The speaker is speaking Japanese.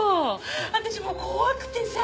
私もう怖くてさ。